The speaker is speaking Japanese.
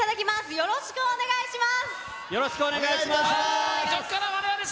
よろしくお願いします。